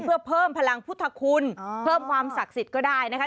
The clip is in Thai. เพื่อเพิ่มพลังพุทธคุณเพิ่มความศักดิ์สิทธิ์ก็ได้นะคะ